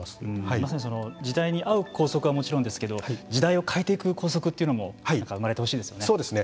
まさに時代に合う校則はもちろんですけど時代を変えていく校則というのも生まれてほしいですよね。